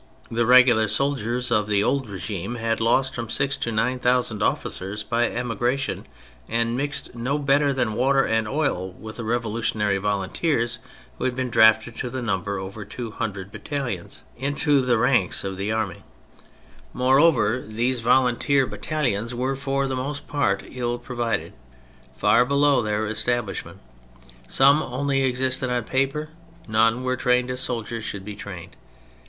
The regular soldiers of the old ^ regime had lost from six to nine thousand officers by emigration, and mixed no better than water and oil with the revolutionary volunteers who had been drafted (to the number of over two hundred battalions) into the ranks of the army ; moreover, these 114 THE FRENCH REVOLUTION volunteer battalions were for the most part ill provided, far below their establishment, some only existed on paper; none were trained as soldiers should be trained.